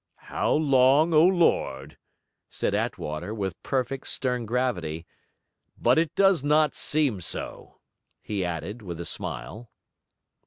'How long, O Lord,' said Attwater with perfect, stern gravity. 'But it does not seem so,' he added, with a smile.